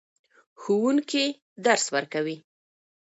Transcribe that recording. ښوونکي درس ورکوې.